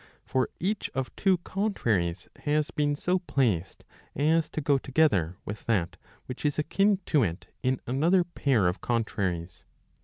For each of two contraries has been so placed as to go together with that which is akin to it in another pair of contraries.